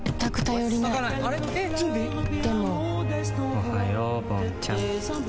おはようぼんちゃん。